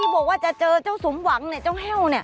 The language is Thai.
บอกว่าเจอเจ้าสมหวังเจ้าแฮลล์